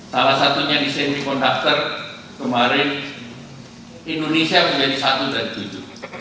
salah satunya di sini konduktor kemarin indonesia menjadi satu dari tujuh